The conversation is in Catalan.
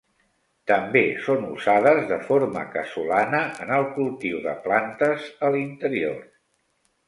També són usades de forma casolana en el cultiu de plantes a l'interior.